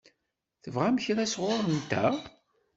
Tebɣam kra sɣur-nteɣ?